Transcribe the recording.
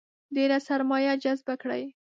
ډېره سرمایه جذبه کړي.